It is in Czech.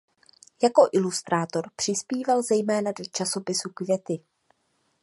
Jako ilustrátor přispíval zejména do časopisu Květy.